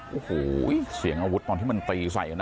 โอ้โหเสียงอาวุธตอนที่มันตีใส่กันนะ